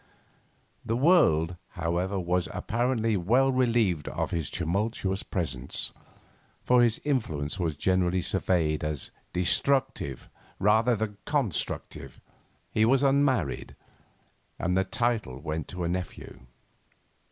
The world, however, was apparently well relieved of his tumultuous presence, for his influence was generally surveyed as 'destructive rather than constructive.' He was unmarried, and the title went to a nephew.